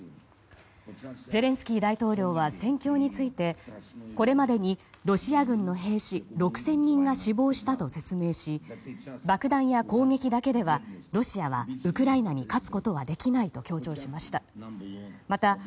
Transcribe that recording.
ゼレンスキー大統領は戦況についてこれまでにロシア軍の兵士６０００人が死亡したと説明し爆弾や攻撃だけではロシアはウクライナに勝つことはできないと強調しました。